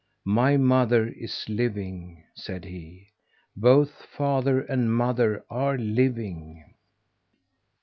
"My mother is living," said he. "Both father and mother are living."